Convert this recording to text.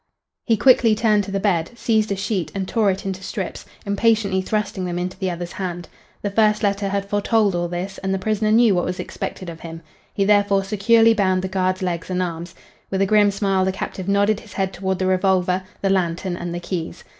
He quickly turned to the bed, seized a sheet and tore it into strips, impatiently thrusting them into the other's hands. The first letter had foretold all this, and the prisoner knew what was expected of him. He therefore securely bound the guard's legs and arms. With a grim smile the captive nodded his head toward the revolver, the lantern and the keys.